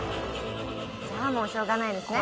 もうしょうがないですね。